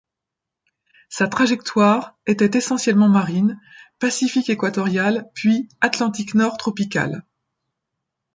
Sa trajectoire était essentiellement marine, Pacifique équatorial puis Atlantique Nord tropical.